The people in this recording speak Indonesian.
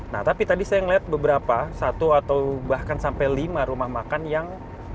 nah tapi tadi saya melihat beberapa satu atau bahkan sampai lima rumah makan yang